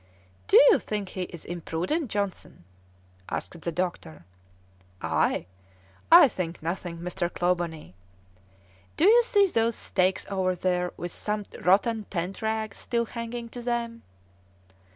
"Do you think he is imprudent, Johnson?" asked the doctor. "I? I think nothing, Mr. Clawbonny. Do you see those stakes over there with some rotten tent rags still hanging to them?"